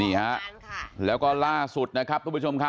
ดูท่าทางฝ่ายภรรยาหลวงประธานบริษัทจะมีความสุขที่สุดเลยนะเนี่ย